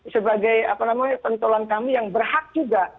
sebagai apa namanya pentolan kami yang berhak juga